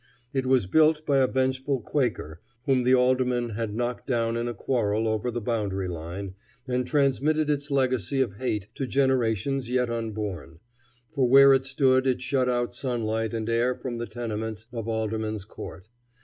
It was built by a vengeful Quaker, whom the alderman had knocked down in a quarrel over the boundary line, and transmitted its legacy of hate to generations yet unborn; for where it stood it shut out sunlight and air from the tenements of Alderman's Court.